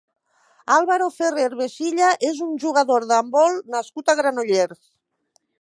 Álvaro Ferrer Vecilla és un jugador d'handbol nascut a Granollers.